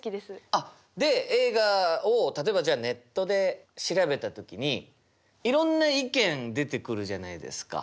あっで映画を例えばじゃあネットで調べた時にいろんな意見出てくるじゃないですか。